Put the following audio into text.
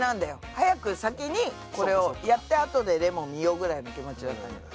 早く先にこれをやったあとでレモン見ようぐらいの気持ちだったんじゃない？